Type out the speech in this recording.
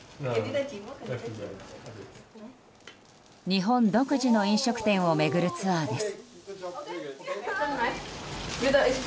日本独自の飲食店を巡るツアーです。